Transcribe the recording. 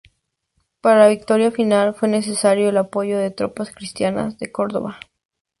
Para la victoria final fue necesario el apoyo de tropas cristianas de Córdoba.